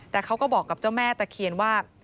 แต่เขาก็บอกกับเจ้าแม่ตะเคียนว่า